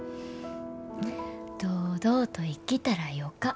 堂々と生きたらよか。